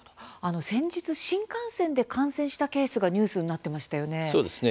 先日、新幹線で感染したケースがニュースになっていました。